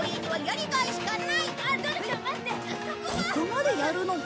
ここまでやるのか！